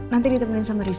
nanti ditemenin sama riza